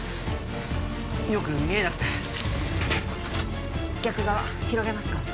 よく見えなくて逆側広げますか？